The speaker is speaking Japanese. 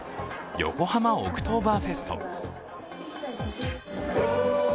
横浜オクトーバーフェスト。